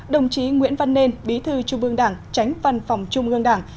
đồng chí nguyễn văn nên bí thư trung ương đảng tránh văn phòng trung ương đảng